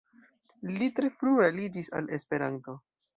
Li tre frue aliĝis al Esperanto.